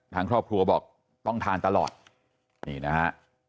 ทางครอบครัวบอกต้องทานตลอดนี่นะฮะ